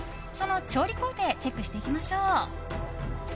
その調理工程チェックしていきましょう。